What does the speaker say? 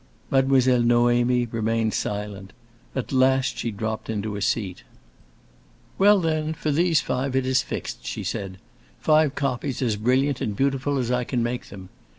Mademoiselle Noémie remained silent; at last she dropped into a seat. "Well then, for those five it is fixed," she said. "Five copies as brilliant and beautiful as I can make them.